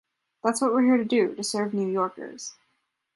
That’s what we’re here to do, to serve New Yorkers.